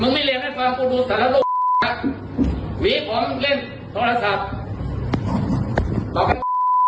มึงไม่เรียนให้ฟังผมดูสันแล้วลูกหวีผอมเล่นโทรศัพท์